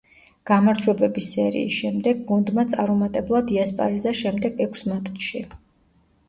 გამარჯვებების სერიის შემდეგ გუნდმა წარუმატებლად იასპარეზა შემდეგ ექვს მატჩში.